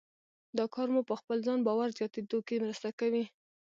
دا کار مو په خپل ځان باور زیاتېدو کې مرسته کوي.